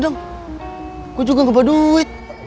dong gue juga gak bawa duit